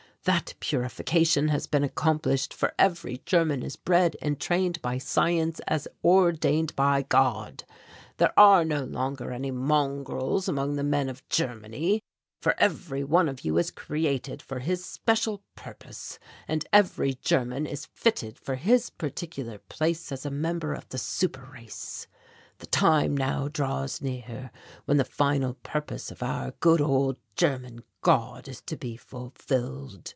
"That purification has been accomplished for every German is bred and trained by science as ordained by God. There are no longer any mongrels among the men of Germany, for every one of you is created for his special purpose and every German is fitted for his particular place as a member of the super race. "The time now draws near when the final purpose of our good old German God is to be fulfilled.